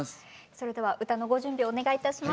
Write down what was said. それでは歌のご準備お願いいたします。